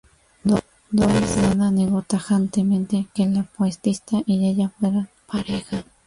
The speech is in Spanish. Doris Dana negó tajantemente que la poetisa y ella fueran pareja.